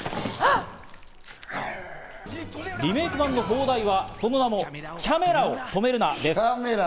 リメイク版の邦題はその名も『キャメラを止めるな！』です。